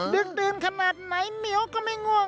ดึงดื่นขนาดไหนเหมียวก็ไม่ง่วง